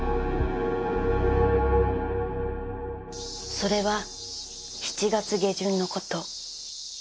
それは７月下旬の事